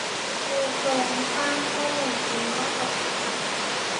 มีโครงสร้างข้อมูลเป็นมาตรฐาน